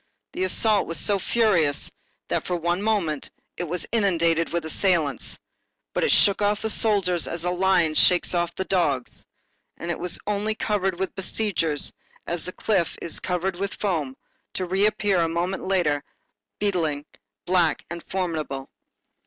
The assault was so furious, that for one moment, it was inundated with assailants; but it shook off the soldiers as the lion shakes off the dogs, and it was only covered with besiegers as the cliff is covered with foam, to reappear, a moment later, beetling, black and formidable.